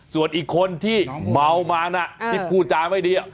ส่วนอีกคนที่เมามานะที่พูดจาไม่ดี